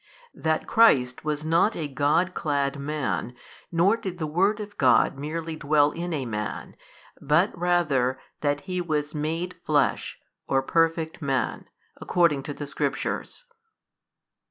That Christ was not a God clad man, nor did the Word of God merely dwell in a man, but rather that He was made Flesh, or Perfect Man, according to the Scriptures.